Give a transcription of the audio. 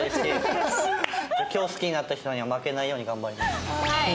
今日好きになった人には負けないように頑張ります。